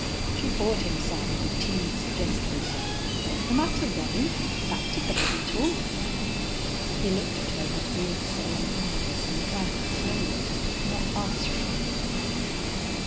She poured him some and teased gently, "What's the matter, Ronny back to baby talk?" He looked at her with big solemn eyes and drank slowly, not answering.